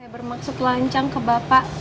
bermaksud lancang ke bapak